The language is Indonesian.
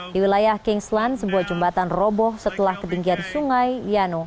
di wilayah kingsland sebuah jembatan roboh setelah ketinggian sungai yano